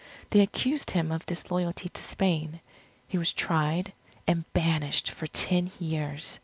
They accused him of disloyalty to Spain. He was tried, and banished for ten years.